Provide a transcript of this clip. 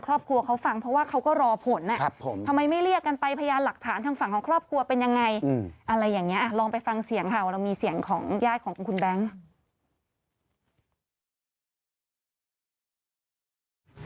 แล้วมีเสียงของย่ายของคุณแบงค์